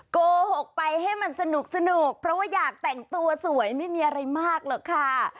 โกหกไปให้มันสนุกเพราะว่าอยากแต่งตัวสวยไม่มีอะไรมากหรอกค่ะ